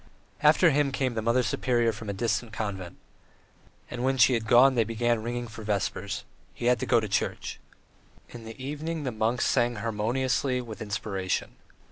After him came the Mother Superior from a distant convent. And when she had gone they began ringing for vespers. He had to go to church. In the evening the monks sang harmoniously, with inspiration.